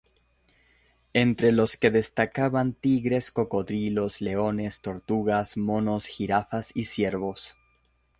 Entre los que destacaban tigres, cocodrilos, leones, tortugas, monos, jirafas y ciervos.